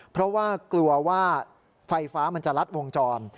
เพราะว่ากลัวว่าไฟฟ้ามันจะลัดวงจร